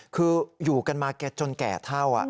คืออยู่กันมาจนแก่เท่า